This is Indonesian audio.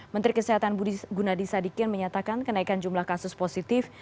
menteri kesehatan gunadi sadikin menyatakan kenaikan jumlah kasus positif